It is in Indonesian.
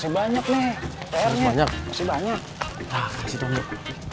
banyak nih banyak banyak